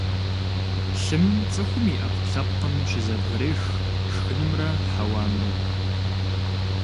Лъым цӀыхум и Ӏэпкълъэпкъхэм щызэбгрех шхынхэмрэ хьэуамрэ.